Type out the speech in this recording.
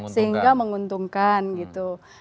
sehingga menguntungkan gitu